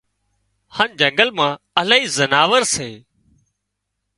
هانَ جنگل مان الاهي زناور سي